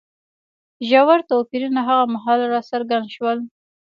ژور توپیرونه هغه مهال راڅرګند شول.